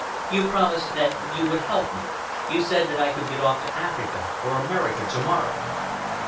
You promised that you would help me. You said that I could get off to Africa or America to morrow."